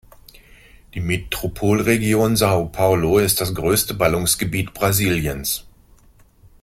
Die Metropolregion São Paulo ist das größte Ballungsgebiet Brasiliens.